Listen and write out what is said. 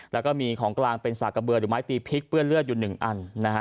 แล้วก็มีของกลางเป็นสากะเบือหรือไม้ตีพริกเปื้อนเลือดอยู่๑อันนะฮะ